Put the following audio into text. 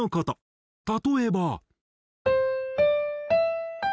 例えば。